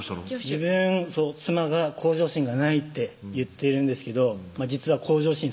自分妻が「向上心がない」って言ってるんですけど実は向上心